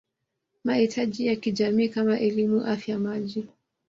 mahitaji ya kijamii kama elimu Afya Maji